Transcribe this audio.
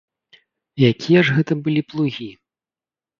Якія ж гэта былі плугі?